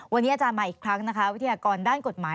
วันนี้อาจารย์มาอีกครั้งนะคะวิทยากรด้านกฎหมาย